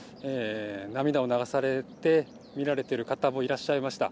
涙を流されて見られている方もいらっしゃいました。